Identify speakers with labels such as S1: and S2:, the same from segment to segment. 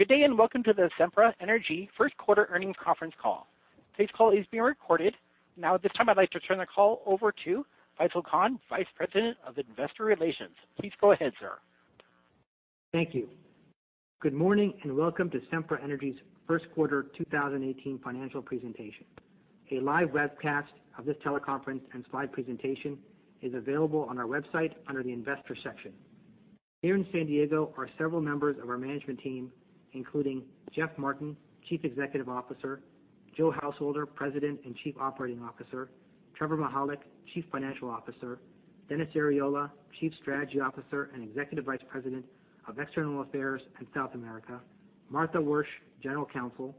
S1: Good day. Welcome to the Sempra Energy first quarter earnings conference call. Today's call is being recorded. At this time, I'd like to turn the call over to Faisel Khan, Vice President of Investor Relations. Please go ahead, sir.
S2: Thank you. Good morning. Welcome to Sempra Energy's first quarter 2018 financial presentation. A live webcast of this teleconference and slide presentation is available on our website under the investor section. Here in San Diego are several members of our management team, including Jeff Martin, Chief Executive Officer, Joseph Householder, President and Chief Operating Officer, Trevor Mihalik, Chief Financial Officer, Dennis Arriola, Chief Strategy Officer and Executive Vice President of External Affairs and South America, Martha Wyrsch, General Counsel,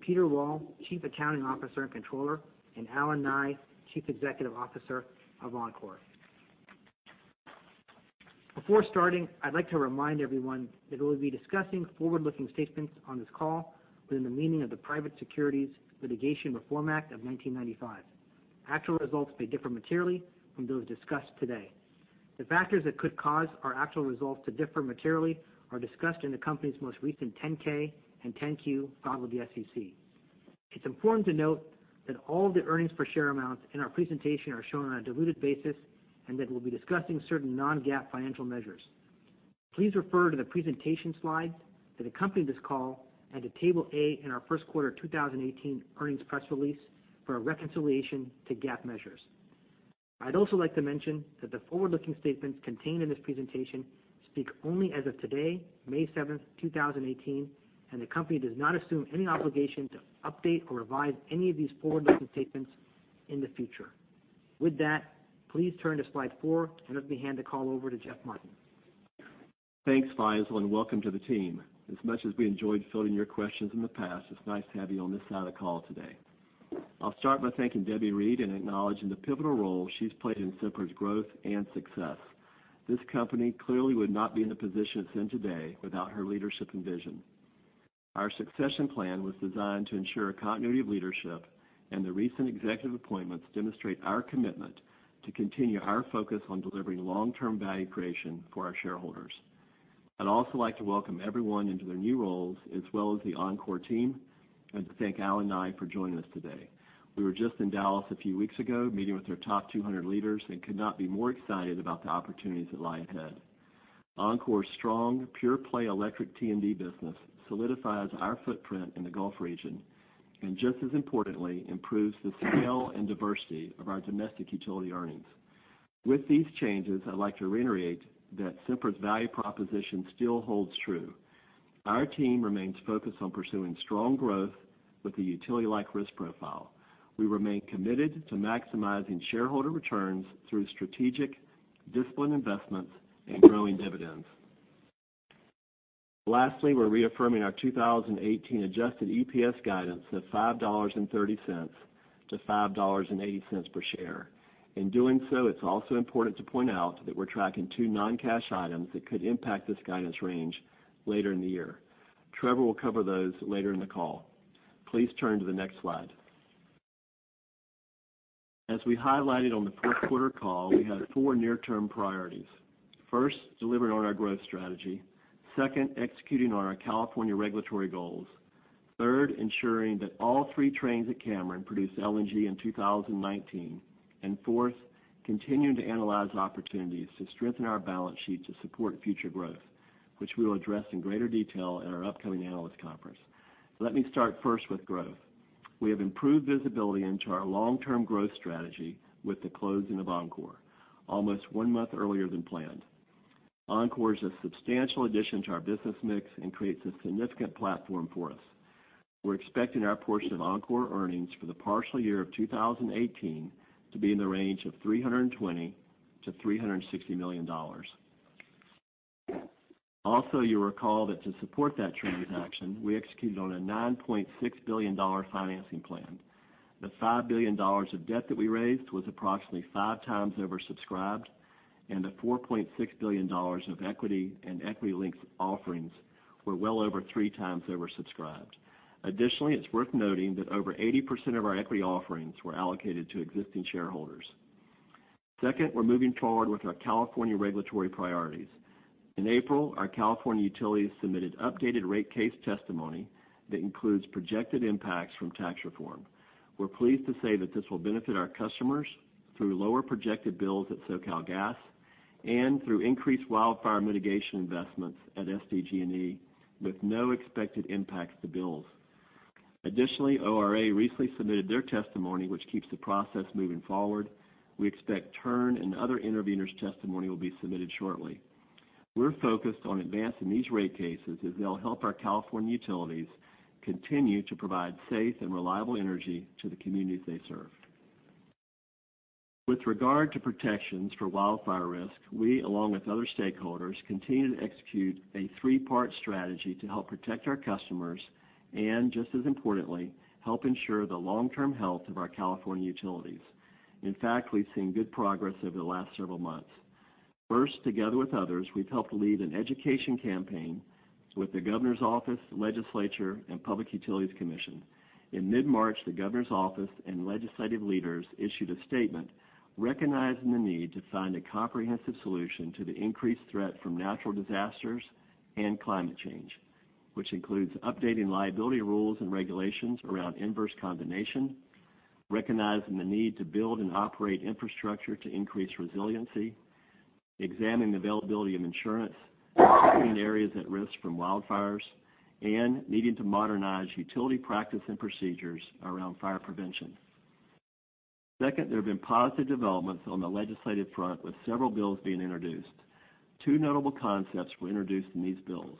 S2: Peter Wall, Chief Accounting Officer and Controller, and Allen Nye, Chief Executive Officer of Oncor. Before starting, I'd like to remind everyone that we'll be discussing forward-looking statements on this call within the meaning of the Private Securities Litigation Reform Act of 1995. Actual results may differ materially from those discussed today. The factors that could cause our actual results to differ materially are discussed in the company's most recent 10-K and 10-Q filed with the SEC. It's important to note that all the earnings per share amounts in our presentation are shown on a diluted basis. We'll be discussing certain non-GAAP financial measures. Please refer to the presentation slides that accompany this call and to Table A in our first quarter 2018 earnings press release for a reconciliation to GAAP measures. I'd also like to mention that the forward-looking statements contained in this presentation speak only as of today, May 7, 2018. The company does not assume any obligation to update or revise any of these forward-looking statements in the future. With that, please turn to slide four. Let me hand the call over to Jeff Martin.
S3: Thanks, Faisel. Welcome to the team. As much as we enjoyed fielding your questions in the past, it's nice to have you on this side of the call today. I'll start by thanking Debbie Reed and acknowledging the pivotal role she's played in Sempra's growth and success. This company clearly would not be in the position it's in today without her leadership and vision. Our succession plan was designed to ensure a continuity of leadership. The recent executive appointments demonstrate our commitment to continue our focus on delivering long-term value creation for our shareholders. I'd also like to welcome everyone into their new roles as well as the Oncor team. To thank Allen Nye for joining us today. We were just in Dallas a few weeks ago, meeting with their top 200 leaders. Could not be more excited about the opportunities that lie ahead. Oncor's strong, pure-play electric T&D business solidifies our footprint in the Gulf region, and just as importantly, improves the scale and diversity of our domestic utility earnings. With these changes, I'd like to reiterate that Sempra's value proposition still holds true. Our team remains focused on pursuing strong growth with a utility-like risk profile. We remain committed to maximizing shareholder returns through strategic, disciplined investments and growing dividends. Lastly, we're reaffirming our 2018 adjusted EPS guidance of $5.30-$5.80 per share. In doing so, it's also important to point out that we're tracking two non-cash items that could impact this guidance range later in the year. Trevor will cover those later in the call. Please turn to the next slide. As we highlighted on the first quarter call, we had four near-term priorities. First, delivering on our growth strategy. Second, executing on our California regulatory goals. Third, ensuring that all three trains at Cameron produce LNG in 2019. Fourth, continuing to analyze opportunities to strengthen our balance sheet to support future growth, which we will address in greater detail at our upcoming analyst conference. Let me start first with growth. We have improved visibility into our long-term growth strategy with the closing of Oncor, almost one month earlier than planned. Oncor is a substantial addition to our business mix and creates a significant platform for us. We're expecting our portion of Oncor earnings for the partial year of 2018 to be in the range of $320 million-$360 million. Also, you'll recall that to support that transaction, we executed on a $9.6 billion financing plan. The $5 billion of debt that we raised was approximately five times oversubscribed, and the $4.6 billion of equity and equity-linked offerings were well over three times oversubscribed. Additionally, it's worth noting that over 80% of our equity offerings were allocated to existing shareholders. Second, we're moving forward with our California regulatory priorities. In April, our California utilities submitted updated rate case testimony that includes projected impacts from tax reform. We're pleased to say that this will benefit our customers through lower projected bills at SoCalGas and through increased wildfire mitigation investments at SDG&E with no expected impact to bills. Additionally, ORA recently submitted their testimony, which keeps the process moving forward. We expect TURN and other interveners' testimony will be submitted shortly. We're focused on advancing these rate cases as they'll help our California utilities continue to provide safe and reliable energy to the communities they serve. With regard to protections for wildfire risk, we, along with other stakeholders, continue to execute a three-part strategy to help protect our customers and just as importantly, help ensure the long-term health of our California utilities. In fact, we've seen good progress over the last several months. First, together with others, we've helped lead an education campaign with the governor's office, legislature, and Public Utilities Commission. In mid-March, the governor's office and legislative leaders issued a statement recognizing the need to find a comprehensive solution to the increased threat from natural disasters and climate change, which includes updating liability rules and regulations around inverse condemnation, recognizing the need to build and operate infrastructure to increase resiliency, examining the availability of insurance in areas at risk from wildfires, and needing to modernize utility practice and procedures around fire prevention. There have been positive developments on the legislative front, with several bills being introduced. Two notable concepts were introduced in these bills.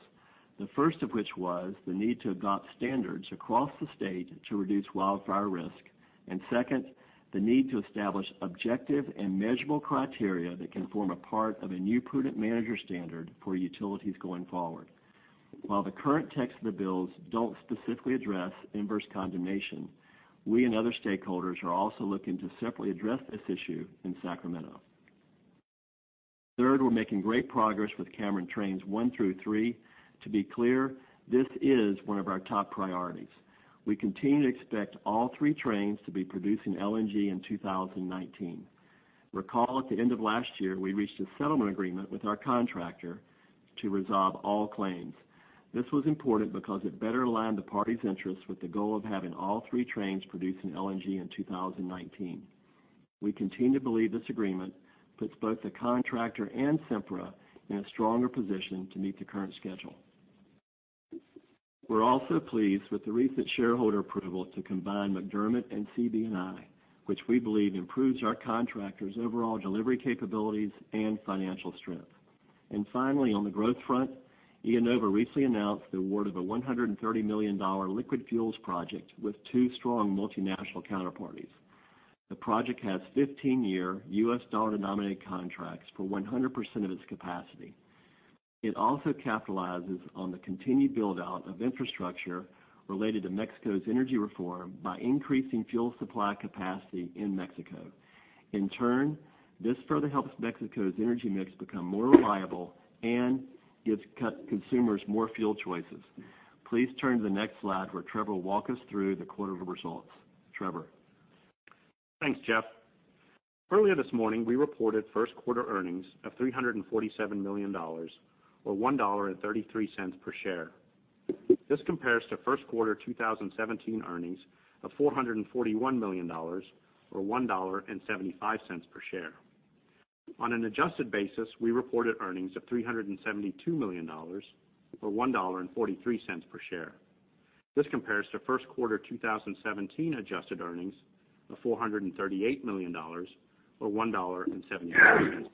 S3: The first of which was the need to adopt standards across the state to reduce wildfire risk, and second, the need to establish objective and measurable criteria that can form a part of a new prudent manager standard for utilities going forward. While the current text of the bills don't specifically address inverse condemnation, we and other stakeholders are also looking to separately address this issue in Sacramento. We're making great progress with Cameron trains 1 through 3. To be clear, this is one of our top priorities. We continue to expect all 3 trains to be producing LNG in 2019. Recall, at the end of last year, we reached a settlement agreement with our contractor to resolve all claims. This was important because it better aligned the parties' interests with the goal of having all 3 trains producing LNG in 2019. We continue to believe this agreement puts both the contractor and Sempra in a stronger position to meet the current schedule. We're also pleased with the recent shareholder approval to combine McDermott and CB&I, which we believe improves our contractor's overall delivery capabilities and financial strength. Finally, on the growth front, IEnova recently announced the award of a $130 million liquid fuels project with two strong multinational counterparties. The project has 15-year US dollar-denominated contracts for 100% of its capacity. It also capitalizes on the continued build-out of infrastructure related to Mexico's energy reform by increasing fuel supply capacity in Mexico. In turn, this further helps Mexico's energy mix become more reliable and gives consumers more fuel choices. Please turn to the next slide, where Trevor will walk us through the quarter results. Trevor?
S4: Thanks, Jeff. Earlier this morning, we reported first-quarter earnings of $347 million, or $1.33 per share. This compares to first quarter 2017 earnings of $441 million, or $1.75 per share. On an adjusted basis, we reported earnings of $372 million, or $1.43 per share. This compares to first quarter 2017 adjusted earnings of $438 million, or $1.73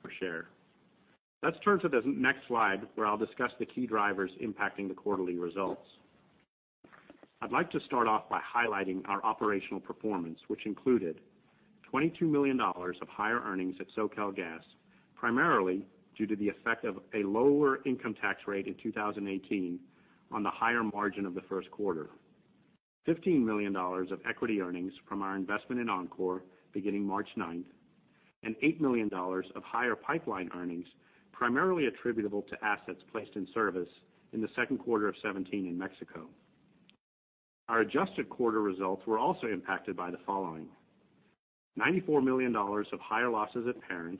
S4: per share. Let's turn to the next slide, where I'll discuss the key drivers impacting the quarterly results. I'd like to start off by highlighting our operational performance, which included $22 million of higher earnings at SoCalGas, primarily due to the effect of a lower income tax rate in 2018 on the higher margin of the first quarter. $15 million of equity earnings from our investment in Oncor beginning March 9th, and $8 million of higher pipeline earnings, primarily attributable to assets placed in service in the second quarter of 2017 in Mexico. Our adjusted quarter results were also impacted by the following: $94 million of higher losses at parent,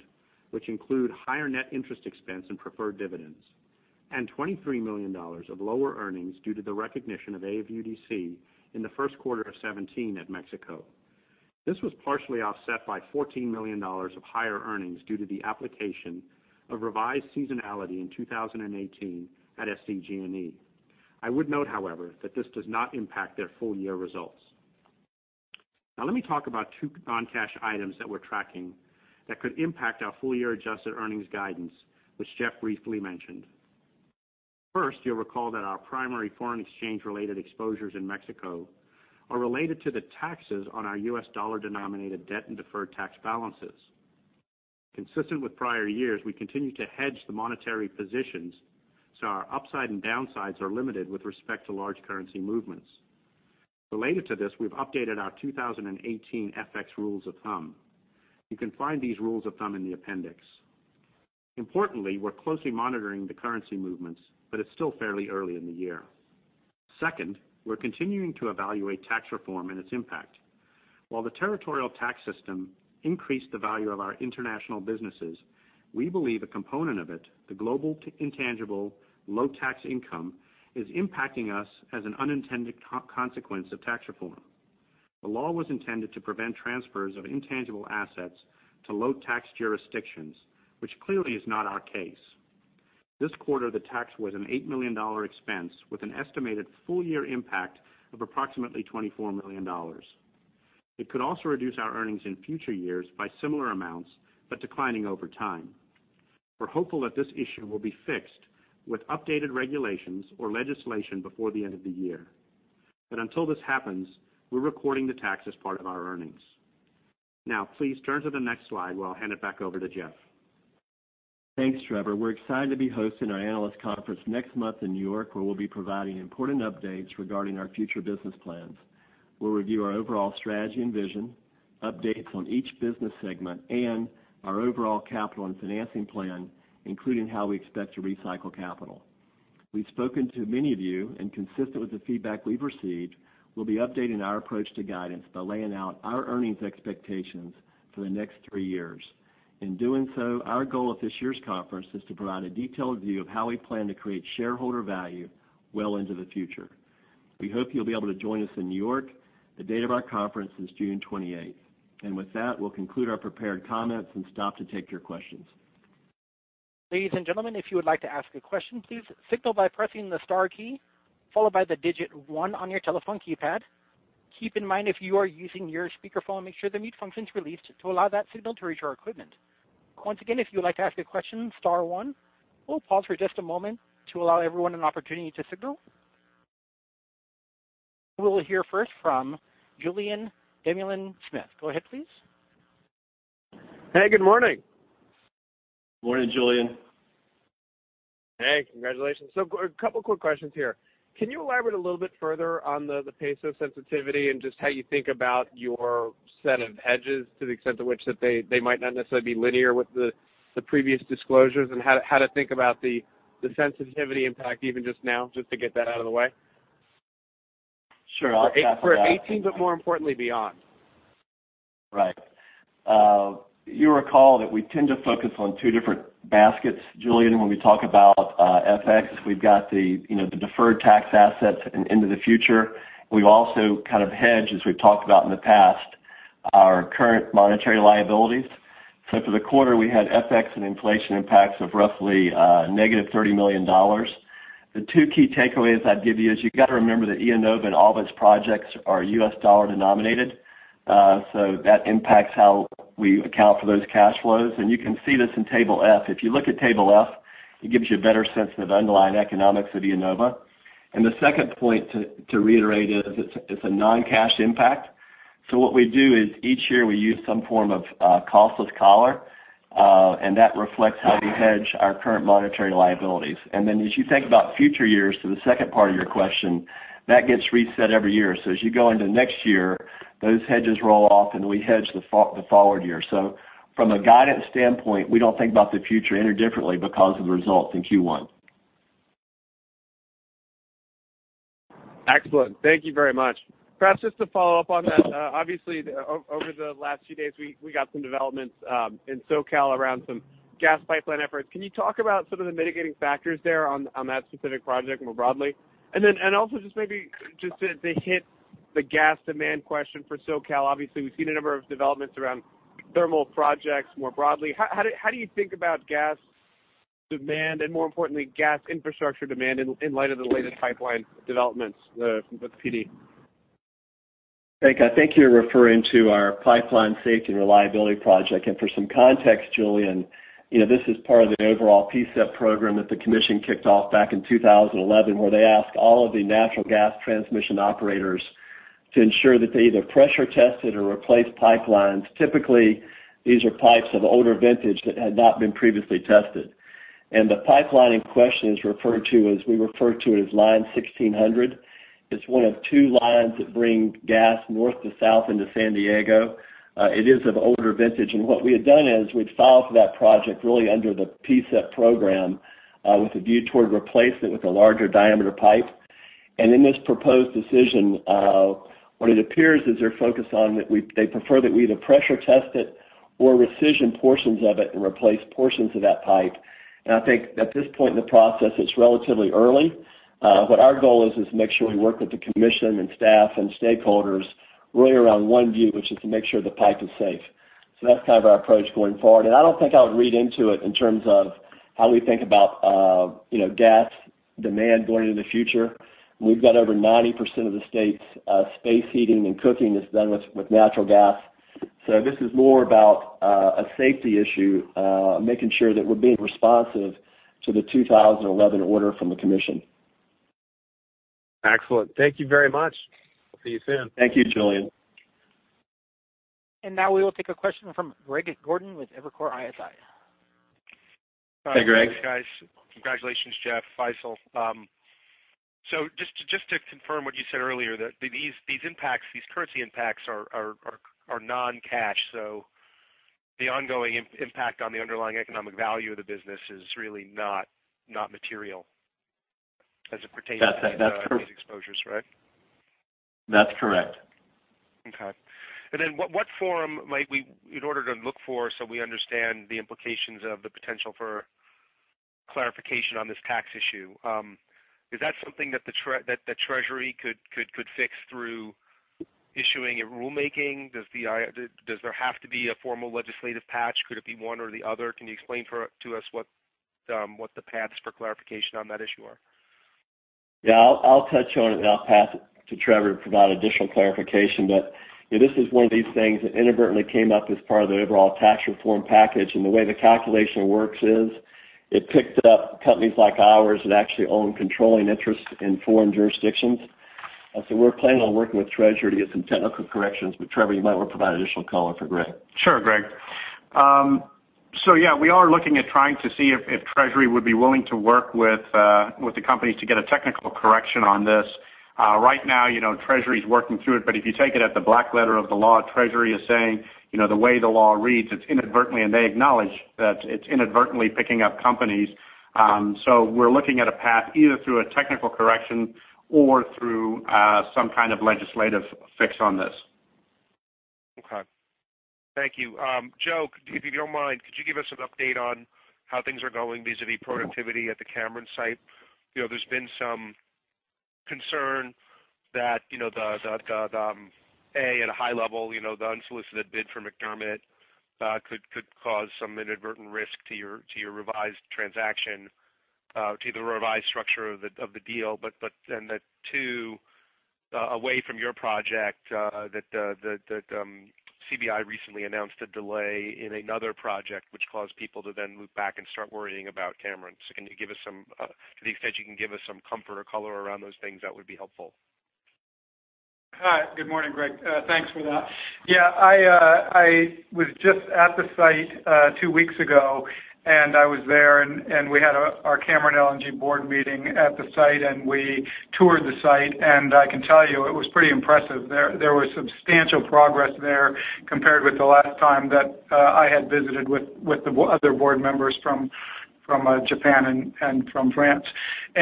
S4: which include higher net interest expense and preferred dividends, and $23 million of lower earnings due to the recognition of AFUDC in the first quarter of 2017 at Mexico. This was partially offset by $14 million of higher earnings due to the application of revised seasonality in 2018 at SDG&E. I would note, however, that this does not impact their full-year results. Let me talk about two non-cash items that we're tracking that could impact our full-year adjusted earnings guidance, which Jeff briefly mentioned. First, you'll recall that our primary foreign exchange-related exposures in Mexico are related to the taxes on our U.S. dollar-denominated debt and deferred tax balances. Consistent with prior years, we continue to hedge the monetary positions, so our upside and downsides are limited with respect to large currency movements. Related to this, we've updated our 2018 FX rules of thumb. You can find these rules of thumb in the appendix. We're closely monitoring the currency movements, but it's still fairly early in the year. We're continuing to evaluate tax reform and its impact. While the territorial tax system increased the value of our international businesses, we believe a component of it, the global intangible low-taxed income, is impacting us as an unintended consequence of tax reform. The law was intended to prevent transfers of intangible assets to low-tax jurisdictions, which clearly is not our case. This quarter, the tax was an $8 million expense, with an estimated full-year impact of approximately $24 million. It could also reduce our earnings in future years by similar amounts, but declining over time. We're hopeful that this issue will be fixed with updated regulations or legislation before the end of the year. Until this happens, we're recording the tax as part of our earnings. Please turn to the next slide where I'll hand it back over to Jeff.
S3: Thanks, Trevor. We're excited to be hosting our analyst conference next month in New York, where we'll be providing important updates regarding our future business plans. We'll review our overall strategy and vision, updates on each business segment, and our overall capital and financing plan, including how we expect to recycle capital. We've spoken to many of you, and consistent with the feedback we've received, we'll be updating our approach to guidance by laying out our earnings expectations for the next three years. In doing so, our goal at this year's conference is to provide a detailed view of how we plan to create shareholder value well into the future. We hope you'll be able to join us in New York. The date of our conference is June 28th. With that, we'll conclude our prepared comments and stop to take your questions.
S1: Ladies and gentlemen, if you would like to ask a question, please signal by pressing the star key, followed by the digit 1 on your telephone keypad. Keep in mind, if you are using your speakerphone, make sure the mute function is released to allow that signal to reach our equipment. Once again, if you would like to ask a question, star 1. We'll pause for just a moment to allow everyone an opportunity to signal. We'll hear first from Julien Dumoulin-Smith. Go ahead, please.
S5: Hey, good morning.
S3: Morning, Julien.
S5: Hey, congratulations. A couple quick questions here. Can you elaborate a little bit further on the pace of sensitivity and just how you think about your set of hedges to the extent to which that they might not necessarily be linear with the previous disclosures, and how to think about the sensitivity impact even just now, just to get that out of the way?
S3: Sure. I'll pass it.
S5: For 2018, more importantly, beyond.
S3: Right. You'll recall that we tend to focus on two different baskets, Julien, when we talk about FX. We've got the deferred tax assets into the future. We've also kind of hedged, as we've talked about in the past, our current monetary liabilities. For the quarter, we had FX and inflation impacts of roughly negative $30 million. The two key takeaways I'd give you is you've got to remember that IEnova and all those projects are U.S. dollar denominated. That impacts how we account for those cash flows. You can see this in Table F. If you look at Table F, it gives you a better sense of underlying economics of IEnova. The second point to reiterate is it's a non-cash impact. What we do is each year we use some form of a costless collar, that reflects how we hedge our current monetary liabilities. Then as you think about future years to the second part of your question, that gets reset every year. As you go into next year, those hedges roll off, we hedge the forward year. From a guidance standpoint, we don't think about the future any differently because of the results in Q1.
S5: Excellent. Thank you very much. Perhaps just to follow up on that, obviously over the last few days, we got some developments in SoCal around some gas pipeline efforts. Can you talk about some of the mitigating factors there on that specific project more broadly? Also, just to hit the gas demand question for SoCal, we've seen a number of developments around thermal projects more broadly. How do you think about gas demand and, more importantly, gas infrastructure demand in light of the latest pipeline developments with PD?
S3: I think you're referring to our Pipeline Safety and Reliability Project. For some context, Julien, this is part of the overall PSIP program that the commission kicked off back in 2011, where they asked all of the natural gas transmission operators to ensure that they either pressure tested or replaced pipelines. Typically, these are pipes of older vintage that had not been previously tested. The pipeline in question is referred to as Line 1600. It's one of two lines that bring gas north to south into San Diego. It is of older vintage, what we had done is we'd filed for that project really under the PSIP program, with a view toward replacement with a larger diameter pipe. In this proposed decision, what it appears is they're focused on that they prefer that we either pressure test it or re-section portions of it and replace portions of that pipe. I think at this point in the process, it's relatively early. What our goal is to make sure we work with the commission and staff and stakeholders really around one view, which is to make sure the pipe is safe. That's kind of our approach going forward. I don't think I would read into it in terms of how we think about gas demand going into the future. We've got over 90% of the state's space heating and cooking is done with natural gas. This is more about a safety issue, making sure that we're being responsive to the 2011 order from the commission.
S5: Excellent. Thank you very much. See you soon.
S3: Thank you, Julien.
S1: Now we will take a question from Greg Gordon with Evercore ISI.
S3: Hey, Greg.
S6: Hey, guys. Congratulations, Jeff, Faisel. Just to confirm what you said earlier, that these impacts, these currency impacts are non-cash. The ongoing impact on the underlying economic value of the business is really not material.
S3: That's it. That's correct.
S6: to these exposures, right?
S3: That's correct.
S6: Okay. Then what forum might we, in order to look for so we understand the implications of the potential for clarification on this tax issue, is that something that the Treasury could fix through issuing a rulemaking? Does there have to be a formal legislative patch? Could it be one or the other? Can you explain to us what the paths for clarification on that issue are?
S3: Yeah, I'll touch on it, then I'll pass it to Trevor to provide additional clarification. This is one of these things that inadvertently came up as part of the overall tax reform package, the way the calculation works is it picked up companies like ours that actually own controlling interests in foreign jurisdictions. We're planning on working with Treasury to get some technical corrections, but Trevor, you might want to provide additional color for Greg.
S4: Sure, Greg. Yeah, we are looking at trying to see if Treasury would be willing to work with the companies to get a technical correction on this. Right now, Treasury's working through it, if you take it at the black letter of the law, Treasury is saying the way the law reads, it's inadvertently, and they acknowledge That it's inadvertently picking up companies. We're looking at a path either through a technical correction or through some kind of legislative fix on this.
S6: Okay. Thank you. Joe, if you don't mind, could you give us an update on how things are going vis-a-vis productivity at the Cameron site? There's been some concern that, A, at a high level, the unsolicited bid from McDermott could cause some inadvertent risk to your revised transaction, to the revised structure of the deal, but then that, two, away from your project, that CB&I recently announced a delay in another project which caused people to then loop back and start worrying about Cameron. To the extent you can give us some comfort or color around those things, that would be helpful.
S7: Hi. Good morning, Greg. Thanks for that. Yeah, I was just at the site 2 weeks ago, and I was there, and we had our Cameron LNG board meeting at the site, and we toured the site, and I can tell you it was pretty impressive. There was substantial progress there compared with the last time that I had visited with the other board members from Japan and from France. We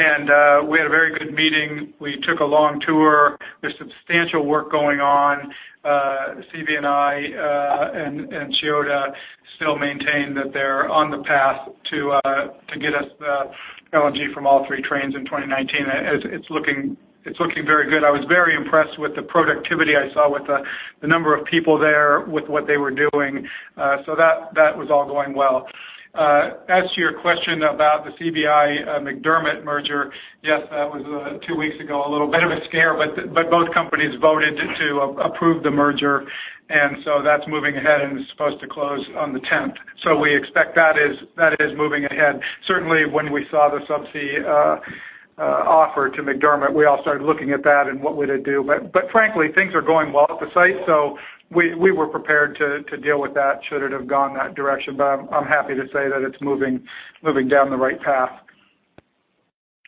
S7: had a very good meeting. We took a long tour. There's substantial work going on. CB&I and Chiyoda still maintain that they're on the path to get us the LNG from all 3 trains in 2019. It's looking very good. I was very impressed with the productivity I saw with the number of people there, with what they were doing. That was all going well. As to your question about the CB&I-McDermott merger, yes, that was 2 weeks ago, a little bit of a scare, but both companies voted to approve the merger, that's moving ahead and is supposed to close on the 10th. We expect that is moving ahead. Certainly, when we saw the Subsea 7 offer to McDermott, we all started looking at that and what would it do. Frankly, things are going well at the site, so we were prepared to deal with that should it have gone that direction. I'm happy to say that it's moving down the right path.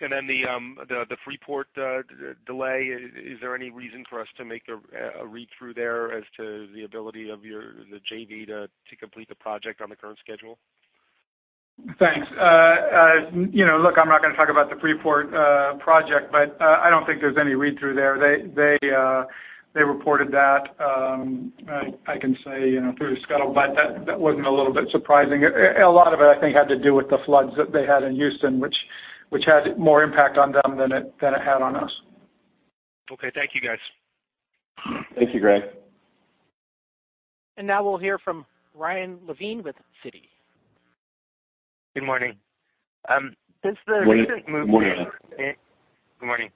S6: The Freeport LNG delay, is there any reason for us to make a read-through there as to the ability of the JV to complete the project on the current schedule?
S7: Thanks. Look, I'm not going to talk about the Freeport LNG project, but I don't think there's any read-through there. They reported that, I can say through scuttlebutt, that wasn't a little bit surprising. A lot of it, I think, had to do with the floods that they had in Houston, which had more impact on them than it had on us.
S6: Okay. Thank you, guys.
S3: Thank you, Greg.
S1: Now we'll hear from Ryan Levine with Citi.
S8: Good morning.
S3: Morning, Ryan.
S8: Good morning.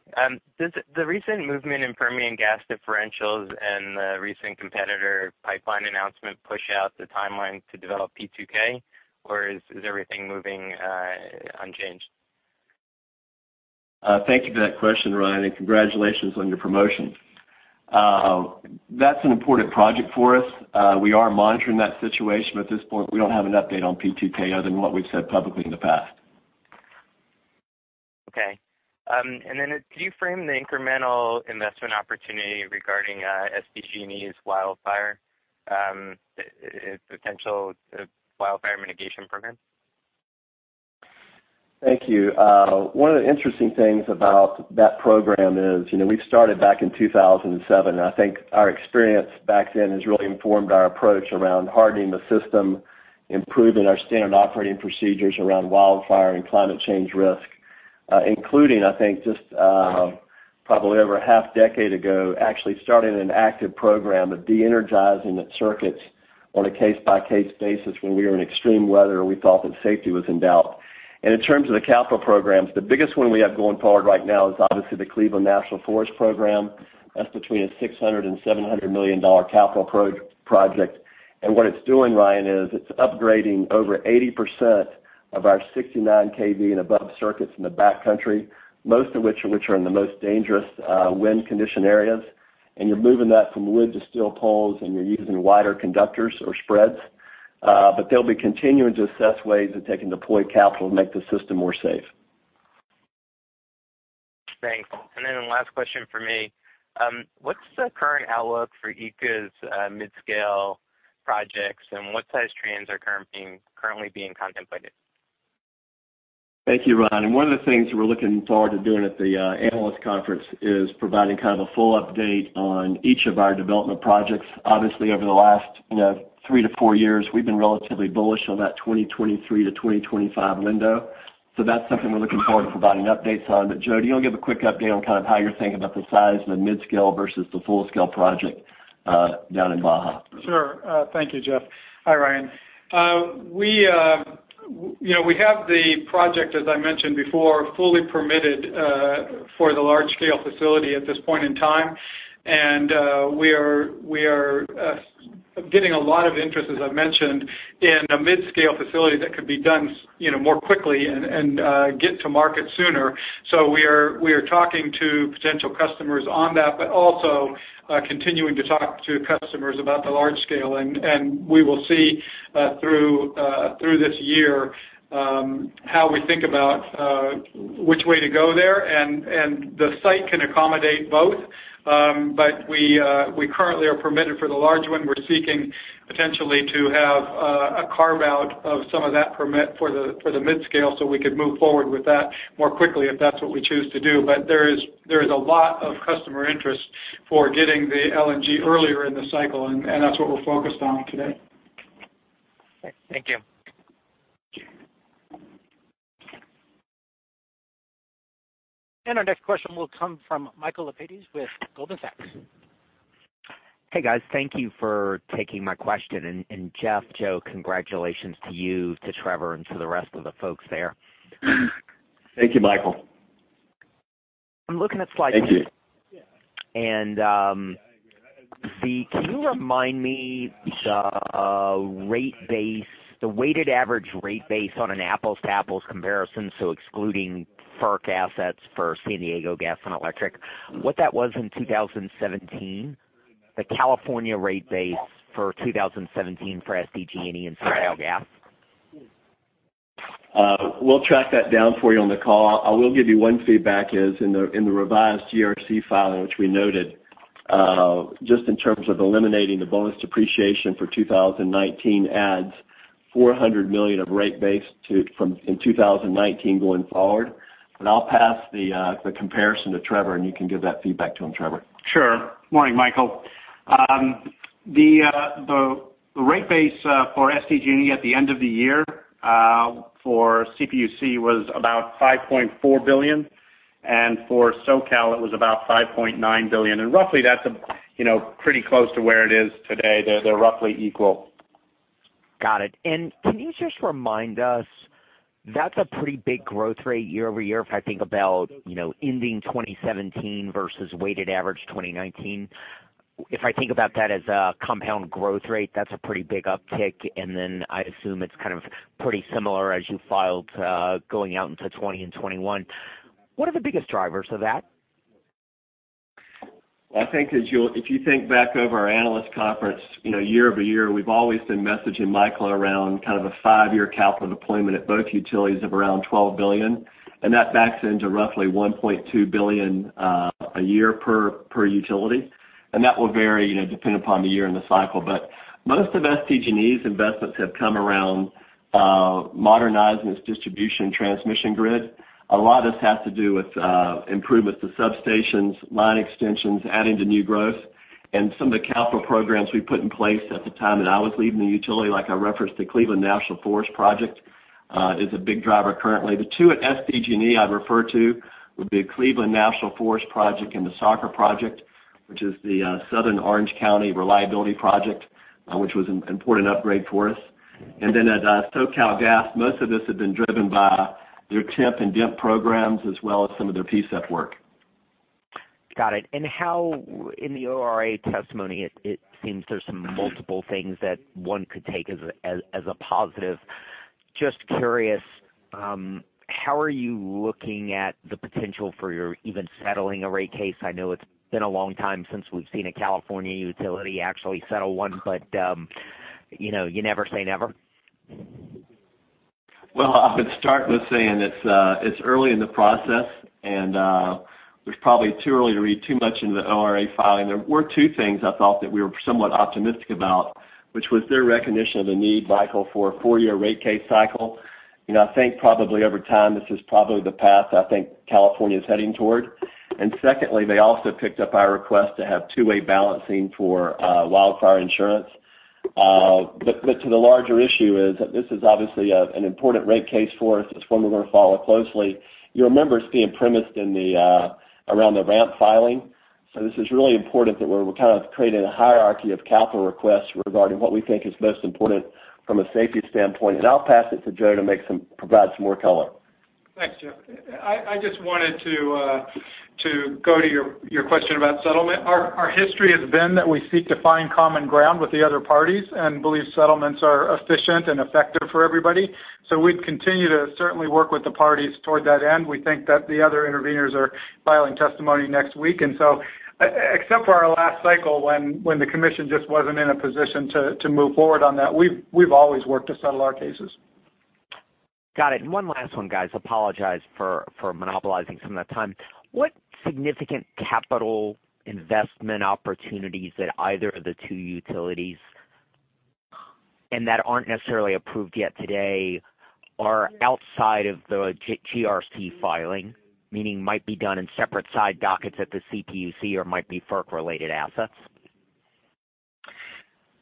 S8: Does the recent movement in Permian gas differentials and the recent competitor pipeline announcement push out the timeline to develop P2K, or is everything moving unchanged?
S3: Thank you for that question, Ryan, and congratulations on your promotion. That's an important project for us. We are monitoring that situation, at this point, we don't have an update on P2K other than what we've said publicly in the past.
S8: Okay. Then can you frame the incremental investment opportunity regarding SDG&E's potential wildfire mitigation program?
S3: Thank you. One of the interesting things about that program is, we started back in 2007, I think our experience back then has really informed our approach around hardening the system, improving our standard operating procedures around wildfire and climate change risk, including, I think, just probably over a half-decade ago, actually starting an active program of de-energizing the circuits on a case-by-case basis when we were in extreme weather or we thought that safety was in doubt. In terms of the capital programs, the biggest one we have going forward right now is obviously the Cleveland National Forest program. That's between a $600 million-$700 million capital project. What it's doing, Ryan, is it's upgrading over 80% of our 69 kV and above circuits in the backcountry, most of which are in the most dangerous wind condition areas. You're moving that from wood to steel poles, you're using wider conductors or spreads. They'll be continuing to assess ways that they can deploy capital to make the system more safe.
S8: Thanks. Last question from me. What's the current outlook for ECA's mid-scale projects, what size trains are currently being contemplated?
S3: Thank you, Ryan. One of the things we're looking forward to doing at the analyst conference is providing kind of a full update on each of our development projects. Obviously, over the last three to four years, we've been relatively bullish on that 2023 to 2025 window. That's something we're looking forward to providing updates on. Joe, do you want to give a quick update on kind of how you're thinking about the size and the mid-scale versus the full-scale project down in Baja?
S7: Sure. Thank you, Jeff. Hi, Ryan. We have the project, as I mentioned before, fully permitted for the large-scale facility at this point in time. We are getting a lot of interest, as I've mentioned, in a mid-scale facility that could be done more quickly and get to market sooner. We are talking to potential customers on that, but also continuing to talk to customers about the large scale. We will see through this year how we think about which way to go there, and the site can accommodate both.
S3: We currently are permitted for the large one. We're seeking potentially to have a carve-out of some of that permit for the mid-scale, so we could move forward with that more quickly if that's what we choose to do. There is a lot of customer interest for getting the LNG earlier in the cycle, and that's what we're focused on today.
S8: Okay. Thank you.
S1: Our next question will come from Michael Lapides with Goldman Sachs.
S9: Hey, guys. Thank you for taking my question. Jeff, Joe, congratulations to you, to Trevor, and to the rest of the folks there.
S3: Thank you, Michael.
S9: I'm looking at slide-
S3: Thank you.
S9: Can you remind me the weighted average rate base on an apples-to-apples comparison, so excluding FERC assets for San Diego Gas & Electric, what that was in 2017, the California rate base for 2017 for SDG&E and SoCalGas?
S3: We'll track that down for you on the call. I will give you one feedback is in the revised GRC filing, which we noted, just in terms of eliminating the bonus depreciation for 2019 adds $400 million of rate base in 2019 going forward. I'll pass the comparison to Trevor, and you can give that feedback to him, Trevor.
S4: Sure. Morning, Michael. The rate base for SDG&E at the end of the year for CPUC was about $5.4 billion, and for SoCal, it was about $5.9 billion. Roughly that's pretty close to where it is today. They're roughly equal.
S9: Got it. Can you just remind us, that's a pretty big growth rate year-over-year, if I think about ending 2017 versus weighted average 2019. If I think about that as a compound growth rate, that's a pretty big uptick, and then I assume it's kind of pretty similar as you filed going out into 2020 and 2021. What are the biggest drivers of that?
S3: I think if you think back over our analyst conference, year-over-year, we've always been messaging, Michael, around kind of a five-year capital deployment at both utilities of around $12 billion, that backs into roughly $1.2 billion a year per utility. That will vary depending upon the year and the cycle. Most of SDG&E's investments have come around modernizing its distribution transmission grid. A lot of this has to do with improvements to substations, line extensions, adding to new growth, and some of the capital programs we put in place at the time that I was leading the utility, like I referenced, the Cleveland National Forest project, is a big driver currently. The two at SDG&E I'd refer to would be the Cleveland National Forest project and the SOCR project, which is the Southern Orange County Reliability project, which was an important upgrade for us. At SoCalGas, most of this had been driven by their TIMP and DIMP programs, as well as some of their PSEP work.
S9: Got it. In the ORA testimony, it seems there's some multiple things that one could take as a positive. Just curious, how are you looking at the potential for your even settling a rate case? I know it's been a long time since we've seen a California utility actually settle one, you never say never.
S3: I would start with saying it's early in the process, it's probably too early to read too much into the ORA filing. There were two things I thought that we were somewhat optimistic about, which was their recognition of the need, Michael, for a four-year rate case cycle. I think probably over time, this is probably the path I think California is heading toward. Secondly, they also picked up our request to have two-way balancing for wildfire insurance. To the larger issue is that this is obviously an important rate case for us. It's one we're going to follow closely. You'll remember it's being premised around the RAMP filing, so this is really important that we're kind of creating a hierarchy of capital requests regarding what we think is most important from a safety standpoint, and I'll pass it to Joe to provide some more color.
S7: Thanks, Jeff. I just wanted to go to your question about settlement. Our history has been that we seek to find common ground with the other parties and believe settlements are efficient and effective for everybody. We'd continue to certainly work with the parties toward that end. We think that the other interveners are filing testimony next week, except for our last cycle when the commission just wasn't in a position to move forward on that, we've always worked to settle our cases.
S9: Got it. One last one, guys. Apologize for monopolizing some of the time. What significant capital investment opportunities at either of the two utilities, that aren't necessarily approved yet today, are outside of the GRC filing, meaning might be done in separate side dockets at the CPUC or might be FERC-related assets?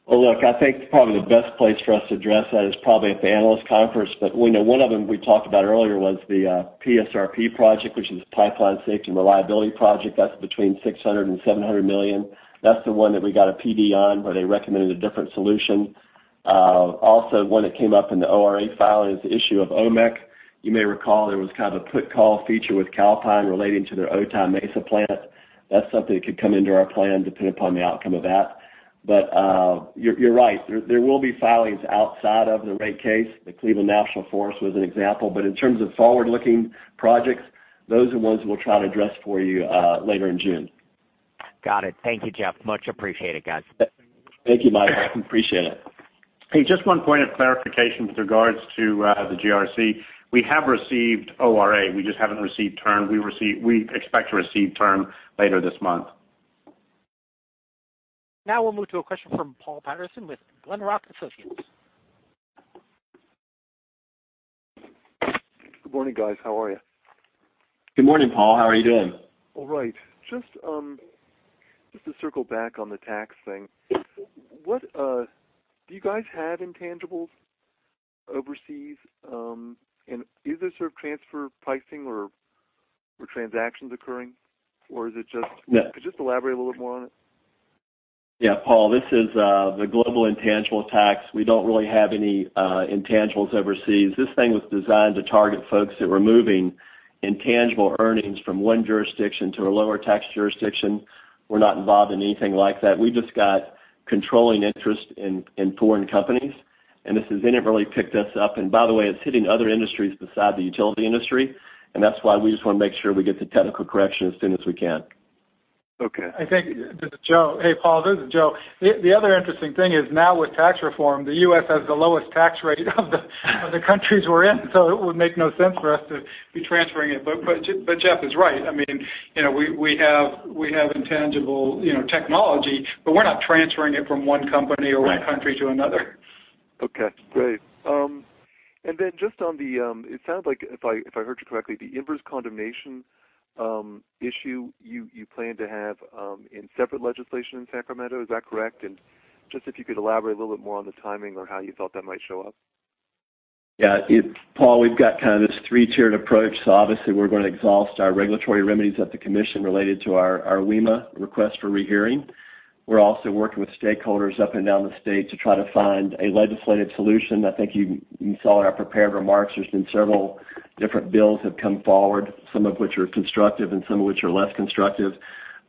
S3: Well, look, I think probably the best place for us to address that is probably at the analyst conference. One of them we talked about earlier was the PSRP project, which is Pipeline Safety and Reliability Project. That's between $600 million and $700 million. That's the one that we got a PD on, where they recommended a different solution. Also, one that came up in the ORA filing is the issue of OMEC. You may recall there was kind of a put call feature with Calpine relating to their Otay Mesa plant. That's something that could come into our plan depending upon the outcome of that. You're right. There will be filings outside of the rate case. The Cleveland National Forest was an example. In terms of forward-looking projects, those are ones we'll try to address for you later in June.
S9: Got it. Thank you, Jeff. Much appreciated, guys.
S3: Thank you, Michael. Appreciate it.
S2: Hey, just one point of clarification with regards to the GRC. We have received ORA, we just haven't received TURN We expect to receive TURN later this month.
S1: We'll move to a question from Paul Patterson with Glenrock Associates.
S10: Good morning, guys. How are you?
S3: Good morning, Paul. How are you doing?
S10: All right. Just to circle back on the tax thing. Do you guys have intangibles overseas? Is there sort of transfer pricing or transactions occurring, or is it just
S3: Yeah.
S10: Could you just elaborate a little more on it?
S3: Yeah. Paul, this is the Global Intangible Tax. We don't really have any intangibles overseas. This thing was designed to target folks that were moving intangible earnings from one jurisdiction to a lower tax jurisdiction. We're not involved in anything like that. We just got controlling interest in foreign companies, and this has inadvertently picked us up. By the way, it's hitting other industries beside the utility industry, and that's why we just want to make sure we get the technical correction as soon as we can.
S10: Okay.
S7: I think, this is Joe. Hey, Paul, this is Joe. The other interesting thing is now with tax reform, the U.S. has the lowest tax rate of the countries we're in, so it would make no sense for us to be transferring it. Jeff is right. We have intangible technology, but we're not transferring it from one company or one country to another.
S10: Okay, great. Then it sounds like, if I heard you correctly, the inverse condemnation issue you plan to have in separate legislation in Sacramento, is that correct? Just if you could elaborate a little bit more on the timing or how you thought that might show up.
S3: Yeah. Paul, we've got kind of this three-tiered approach. Obviously, we're going to exhaust our regulatory remedies at the commission related to our WEMA request for rehearing. We're also working with stakeholders up and down the state to try to find a legislative solution. I think you saw in our prepared remarks, there's been several different bills have come forward, some of which are constructive and some of which are less constructive.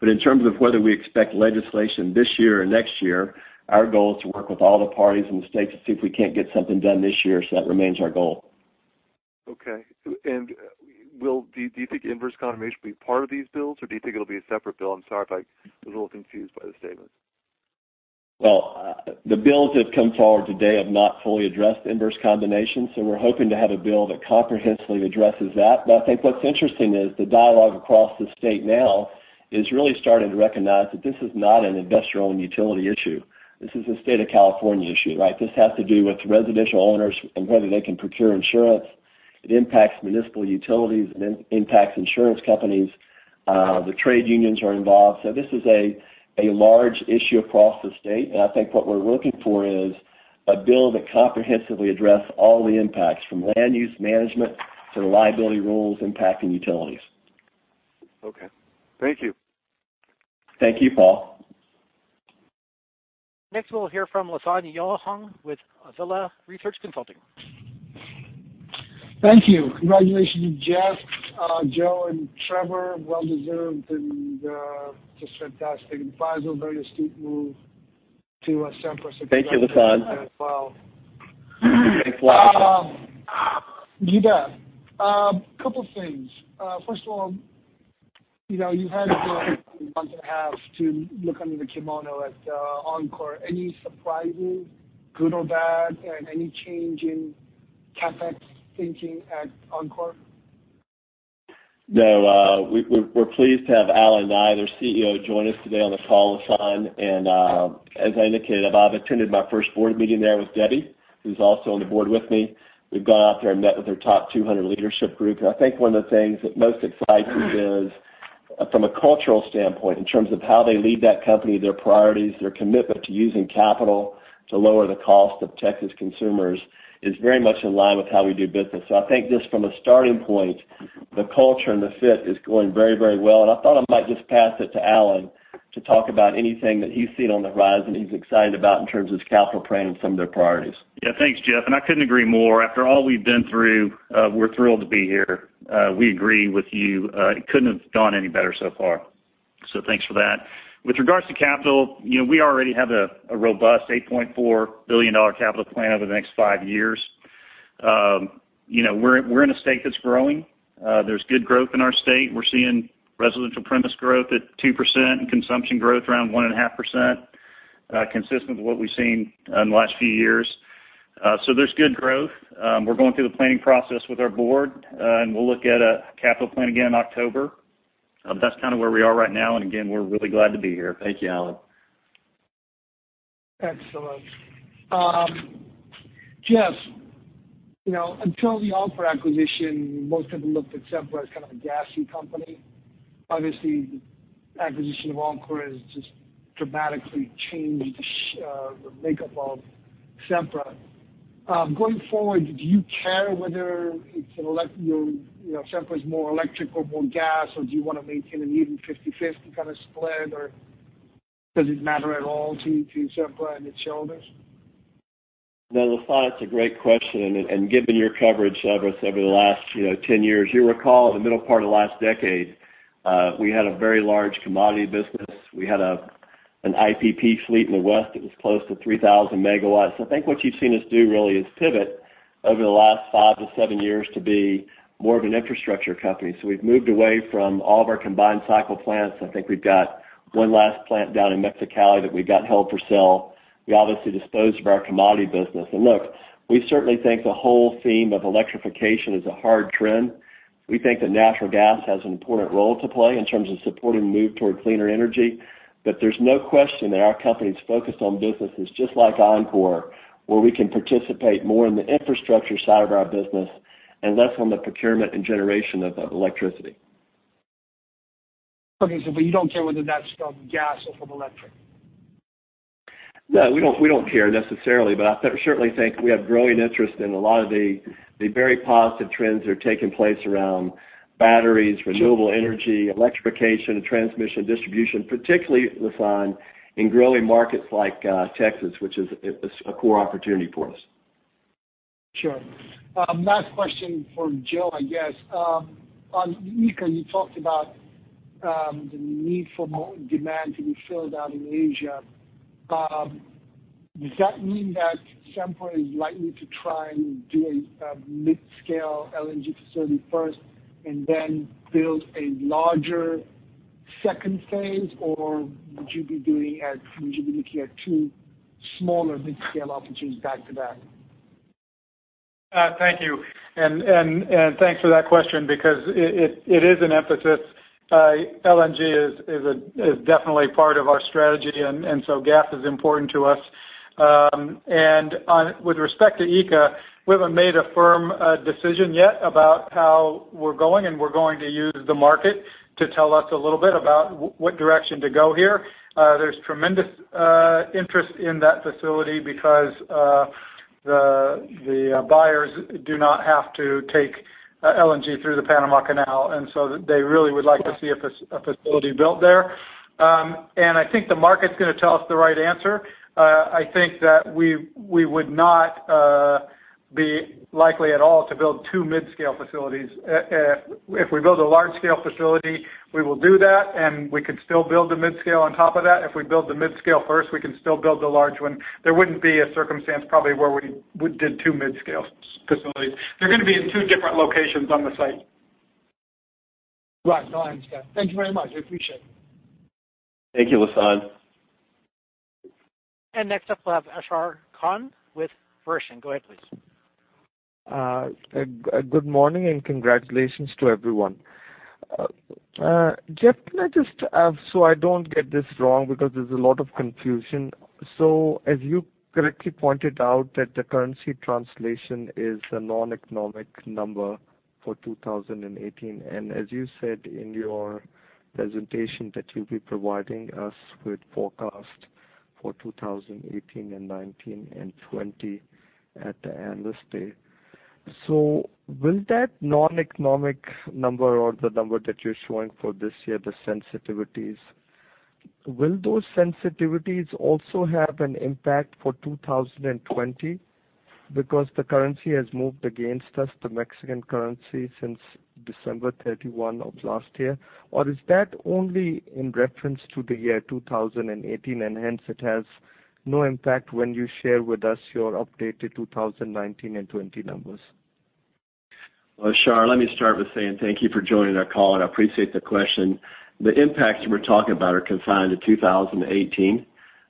S3: In terms of whether we expect legislation this year or next year, our goal is to work with all the parties in the state to see if we can't get something done this year. That remains our goal.
S10: Okay. Do you think inverse condemnation will be part of these bills, or do you think it'll be a separate bill? I'm sorry if I'm a little confused by the statement.
S3: the bills that have come forward to date have not fully addressed inverse condemnation, we're hoping to have a bill that comprehensively addresses that. I think what's interesting is the dialogue across the state now is really starting to recognize that this is not an investor-owned utility issue. This is a state of California issue, right? This has to do with residential owners and whether they can procure insurance. It impacts municipal utilities, and it impacts insurance companies. The trade unions are involved. this is a large issue across the state, and I think what we're looking for is a bill that comprehensively address all the impacts, from land use management to the liability rules impacting utilities.
S10: Okay. Thank you.
S3: Thank you, Paul.
S1: Next, we'll hear from Lasan Johong with Avila Research Consulting.
S11: Thank you. Congratulations, Jeff, Joe, and Trevor. Well deserved, and just fantastic. Faisel, very astute move to Sempra-
S3: Thank you, Lasan
S11: as well.
S3: Thanks a lot.
S11: Yeah. A couple of things. First of all, you've had a month and a half to look under the kimono at Oncor. Any surprises, good or bad? Any change in CapEx thinking at Oncor?
S3: No, we're pleased to have Allen Nye, their CEO, join us today on the call, Lasan. As I indicated, I've attended my first board meeting there with Debbie, who's also on the board with me. We've gone out there and met with their top 200 leadership group. I think one of the things that most excites me is from a cultural standpoint, in terms of how they lead that company, their priorities, their commitment to using capital to lower the cost of Texas consumers is very much in line with how we do business. I think just from a starting point, the culture and the fit is going very, very well. I thought I might just pass it to Allen to talk about anything that he's seen on the rise and he's excited about in terms of capital plan and some of their priorities.
S12: Yeah. Thanks, Jeff, I couldn't agree more. After all we've been through, we're thrilled to be here. We agree with you. It couldn't have gone any better so far, thanks for that. With regards to capital, we already have a robust $8.4 billion capital plan over the next five years. We're in a state that's growing. There's good growth in our state. We're seeing residential premise growth at 2% and consumption growth around 1.5%, consistent with what we've seen in the last few years. There's good growth. We're going through the planning process with our board, we'll look at a capital plan again in October. That's kind of where we are right now. Again, we're really glad to be here.
S3: Thank you, Allen.
S11: Excellent. Jeff, until the Oncor acquisition, most people looked at Sempra as kind of a gassy company. The acquisition of Oncor has just dramatically changed the makeup of Sempra. Going forward, do you care whether Sempra is more electric or more gas, or do you want to maintain an even 50/50 kind of split, or does it matter at all to Sempra and its shareholders?
S3: No, Lassana, it's a great question. Given your coverage of us over the last 10 years, you'll recall the middle part of the last decade, we had a very large commodity business. We had an IPP fleet in the west that was close to 3,000 megawatts. I think what you've seen us do really is pivot over the last five to seven years to be more of an infrastructure company. We've moved away from all of our combined cycle plants. I think we've got one last plant down in Mexicali that we've got held for sale. We obviously disposed of our commodity business. Look, we certainly think the whole theme of electrification is a hard trend. We think that natural gas has an important role to play in terms of supporting the move towards cleaner energy. There's no question that our company is focused on businesses just like Oncor, where we can participate more in the infrastructure side of our business and less on the procurement and generation of electricity.
S11: Okay. You don't care whether that's from gas or from electric?
S3: No, we don't care necessarily, but I certainly think we have growing interest in a lot of the very positive trends that are taking place around batteries-
S11: Sure
S3: renewable energy, electrification, transmission, distribution, particularly, Lasan, in growing markets like Texas, which is a core opportunity for us.
S11: Sure. Last question for Joe, I guess. On ECA, you talked about the need for more demand to be filled out in Asia. Does that mean that Sempra is likely to try and do a mid-scale LNG facility first and then build a larger second phase? Or would you be looking at two smaller mid-scale opportunities back to back?
S7: Thank you. Thanks for that question because it is an emphasis. LNG is definitely part of our strategy. Gas is important to us. With respect to ECA, we haven't made a firm decision yet about how we're going, and we're going to use the market to tell us a little bit about what direction to go here. There's tremendous interest in that facility because the buyers do not have to take LNG through the Panama Canal. They really would like to see a facility built there. I think the market's going to tell us the right answer. I think that we would not be likely at all to build two mid-scale facilities. If we build a large-scale facility, we will do that, and we can still build the mid-scale on top of that. If we build the mid-scale first, we can still build the large one. There wouldn't be a circumstance probably where we did two mid-scale facilities. They're going to be in two different locations on the site.
S11: Right. No, I understand. Thank you very much. I appreciate it.
S7: Thank you, Lasan.
S1: Next up we'll have Ashar Khan with Verition. Go ahead, please.
S13: Good morning, and congratulations to everyone. Jeff, can I just ask so I don't get this wrong, because there's a lot of confusion. As you correctly pointed out, that the currency translation is a non-economic number for 2018, and as you said in your presentation, that you'll be providing us with forecast for 2018, 2019, and 2020 at the Analyst Day. Will that non-economic number or the number that you're showing for this year, the sensitivities, will those sensitivities also have an impact for 2020 because the currency has moved against us, the Mexican currency, since December 31 of last year? Is that only in reference to the year 2018, and hence it has no impact when you share with us your updated 2019 and 2020 numbers?
S3: Well, Ashar, let me start with saying thank you for joining our call, and I appreciate the question. The impacts we're talking about are confined to 2018,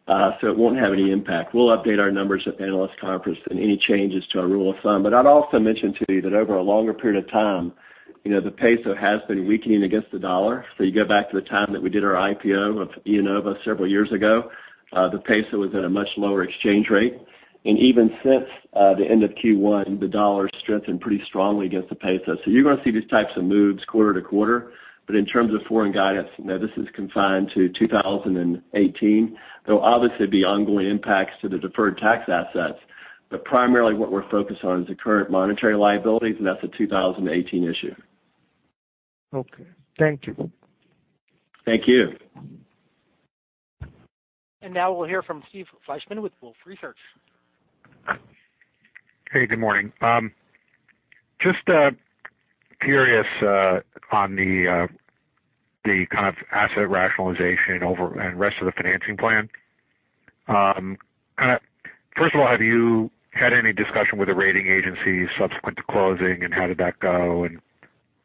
S3: it won't have any impact. We'll update our numbers at the analyst conference and any changes to our rule of thumb. I'd also mention to you that over a longer period of time, the peso has been weakening against the dollar. You go back to the time that we did our IPO of IEnova several years ago, the peso was at a much lower exchange rate. Even since the end of Q1, the dollar strengthened pretty strongly against the peso. You're going to see these types of moves quarter to quarter. In terms of foreign guidance, this is confined to 2018. There will obviously be ongoing impacts to the deferred tax assets, but primarily what we're focused on is the current monetary liabilities, and that's a 2018 issue.
S13: Okay. Thank you.
S3: Thank you.
S1: Now we'll hear from Steve Fleishman with Wolfe Research.
S14: Hey, good morning. Just curious on the kind of asset rationalization over and rest of the financing plan. First of all, have you had any discussion with the rating agencies subsequent to closing, and how did that go?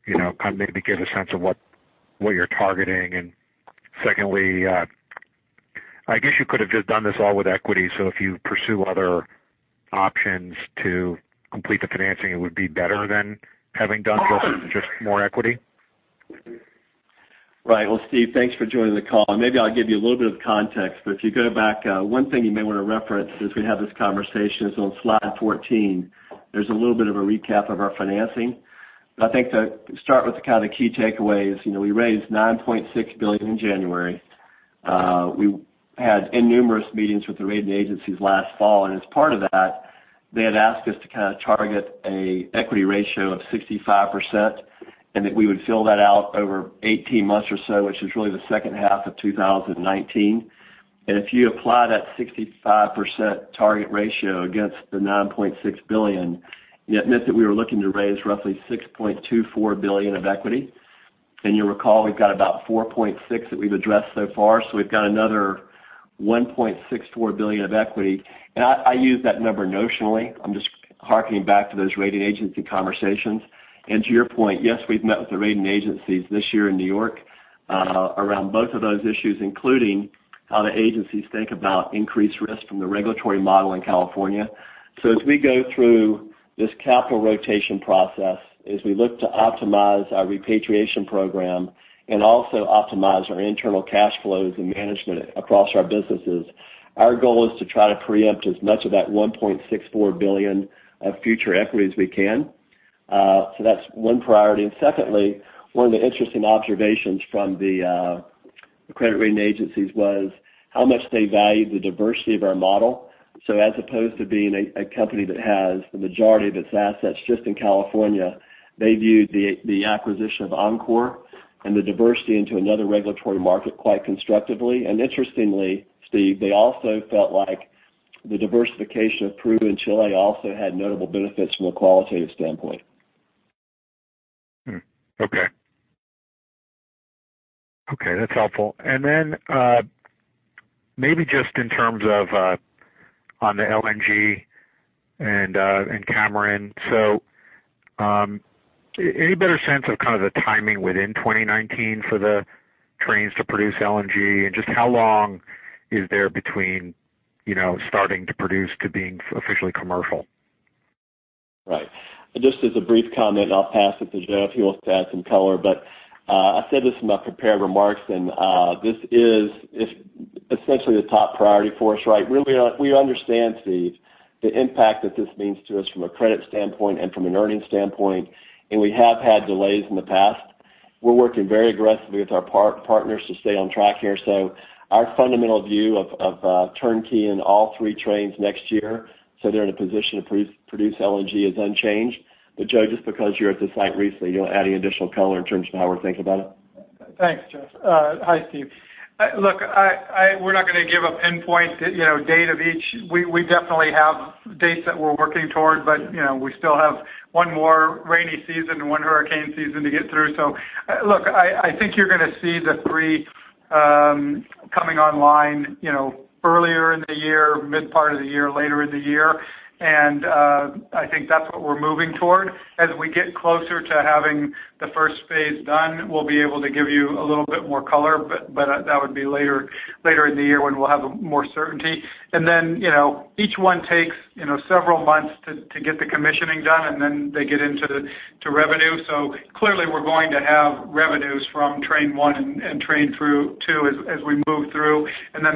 S14: Kind of maybe give a sense of what you're targeting. Secondly, I guess you could have just done this all with equity, so if you pursue other options to complete the financing, it would be better than having done just more equity?
S3: Right. Well, Steve, thanks for joining the call. Maybe I'll give you a little bit of context. If you go back, one thing you may want to reference as we have this conversation is on slide 14, there's a little bit of a recap of our financing. I think to start with the kind of key takeaway is we raised $9.6 billion in January. We had innumerous meetings with the rating agencies last fall, and as part of that, they had asked us to kind of target a equity ratio of 65%, and that we would fill that out over 18 months or so, which is really the second half of 2019. If you apply that 65% target ratio against the $9.6 billion, it meant that we were looking to raise roughly $6.24 billion of equity. You'll recall we've got about $4.6 that we've addressed so far. We've got another $1.64 billion of equity. I use that number notionally. I'm just harkening back to those rating agency conversations. To your point, yes, we've met with the rating agencies this year in New York around both of those issues, including how the agencies think about increased risk from the regulatory model in California. As we go through this capital rotation process, as we look to optimize our repatriation program and also optimize our internal cash flows and management across our businesses, our goal is to try to preempt as much of that $1.64 billion of future equity as we can. That's one priority. Secondly, one of the interesting observations from the credit rating agencies was how much they value the diversity of our model. As opposed to being a company that has the majority of its assets just in California, they viewed the acquisition of Oncor and the diversity into another regulatory market quite constructively. Interestingly, Steve, they also felt like the diversification of Peru and Chile also had notable benefits from a qualitative standpoint.
S14: Okay. That's helpful. Then, maybe just in terms of on the LNG and Cameron. Any better sense of kind of the timing within 2019 for the trains to produce LNG? Just how long is there between starting to produce to being officially commercial?
S3: Right. Just as a brief comment, I'll pass it to Joe if he wants to add some color. I said this in my prepared remarks, this is essentially the top priority for us, right? Really, we understand, Steve, the impact that this means to us from a credit standpoint and from an earnings standpoint. We have had delays in the past. We're working very aggressively with our partners to stay on track here. Our fundamental view of turnkey in all three trains next year, so they're in a position to produce LNG, is unchanged. Joe, just because you're at the site recently, you want to add any additional color in terms of how we're thinking about it?
S7: Thanks, Jeff. Hi, Steve. Look, we're not going to give a pinpoint date of each. We definitely have dates that we're working towards, but we still have one more rainy season and one hurricane season to get through. Look, I think you're going to see the three coming online earlier in the year, mid part of the year, later in the year, and I think that's what we're moving toward. As we get closer to having the first phase done, we'll be able to give you a little bit more color, but that would be later in the year when we'll have more certainty. Each one takes several months to get the commissioning done, and then they get into revenue. Clearly we're going to have revenues from train one and train two as we move through.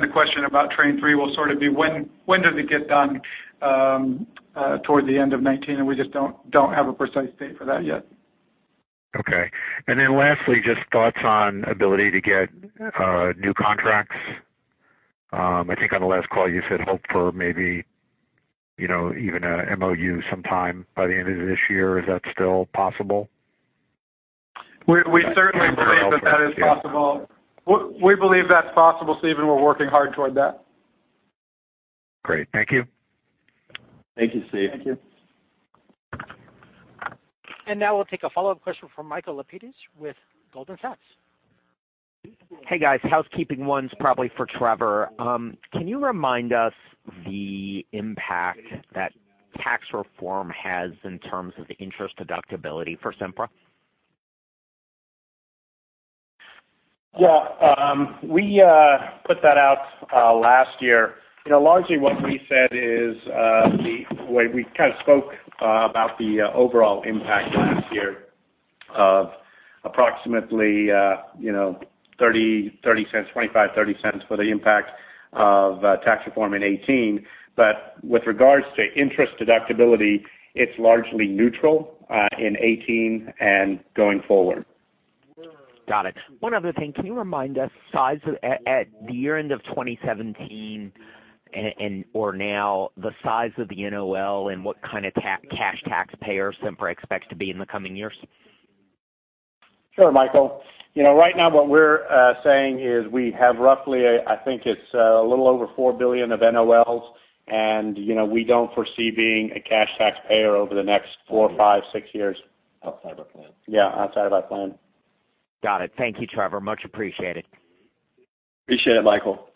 S7: The question about train three will sort of be when does it get done toward the end of 2019? We just don't have a precise date for that yet.
S14: Okay. Lastly, just thoughts on ability to get new contracts. I think on the last call you said hope for maybe even a MOU sometime by the end of this year. Is that still possible?
S7: We certainly believe that that is possible. We believe that's possible, Steve, and we're working hard toward that.
S14: Great. Thank you.
S3: Thank you, Steve.
S7: Thank you.
S1: Now we'll take a follow-up question from Michael Lapides with Goldman Sachs.
S9: Hey, guys. Housekeeping one's probably for Trevor. Can you remind us the impact that tax reform has in terms of interest deductibility for Sempra?
S4: Yeah. We put that out last year. Largely what we said is the way we kind of spoke about the overall impact last year of approximately $0.25, $0.30 for the impact of tax reform in 2018. With regards to interest deductibility, it's largely neutral in 2018 and going forward.
S9: Got it. One other thing. Can you remind us size at the year-end of 2017 and/or now the size of the NOL and what kind of cash taxpayer Sempra expects to be in the coming years?
S4: Sure, Michael. Right now, what we're saying is we have roughly, I think it's a little over $4 billion of NOLs. We don't foresee being a cash taxpayer over the next four or five, six years.
S7: Outside our plan.
S4: Yeah, outside of our plan.
S9: Got it. Thank you, Trevor. Much appreciated.
S3: Appreciate it, Michael.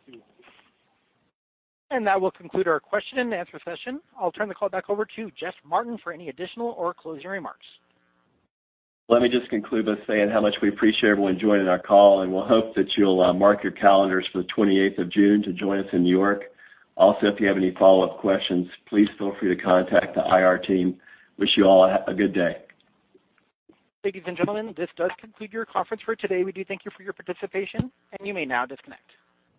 S1: That will conclude our question and answer session. I'll turn the call back over to Jeff Martin for any additional or closing remarks.
S3: Let me just conclude by saying how much we appreciate everyone joining our call, and we'll hope that you'll mark your calendars for the 28th of June to join us in New York. Also, if you have any follow-up questions, please feel free to contact the IR team. Wish you all a good day.
S1: Ladies and gentlemen, this does conclude your conference for today. We do thank you for your participation, and you may now disconnect.